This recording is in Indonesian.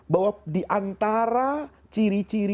bahwa diantara ciri ciri rasulullah s a w itu berkata